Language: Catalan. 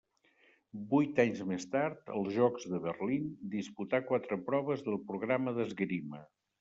Vuit anys més tard, als Jocs de Berlín, disputà quatre proves del programa d'esgrima.